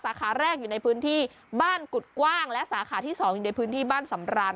ขาแรกอยู่ในพื้นที่บ้านกุฎกว้างและสาขาที่๒อยู่ในพื้นที่บ้านสำราน